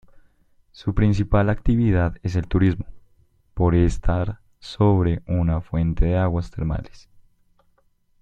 Su principal actividad es el turismo, por estar sobre una fuente de aguas termales.